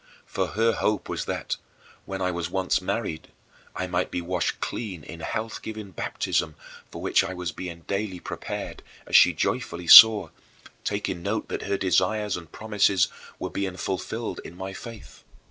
For her hope was that, when I was once married, I might be washed clean in health giving baptism for which I was being daily prepared, as she joyfully saw, taking note that her desires and promises were being fulfilled in my faith.